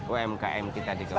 umkm kita di kabupaten